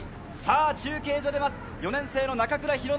中継所で待つ４年生の中倉啓敦。